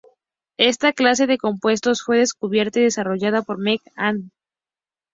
Esta clase de compuestos fue descubierta y desarrollada por Merck and Co.